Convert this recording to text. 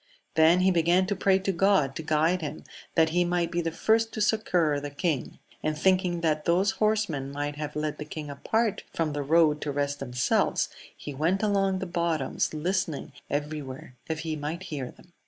Then he began to pray to God to guide him that he might be the first to succour the king ; and thinking that those horsemen might have led the king apart from the road to rest themselves, he went along the bottoms' listening every where if he might hear them.